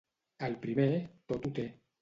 El primer tot ho té.